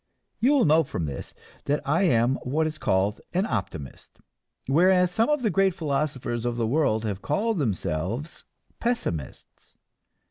You will note from this that I am what is called an optimist; whereas some of the great philosophers of the world have called themselves pessimists.